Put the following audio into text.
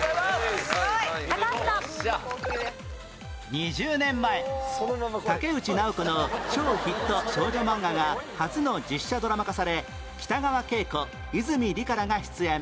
２０年前武内直子の超ヒット少女漫画が初の実写ドラマ化され北川景子泉里香らが出演